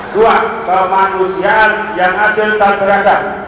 dua kemanusiaan yang adil dan beradab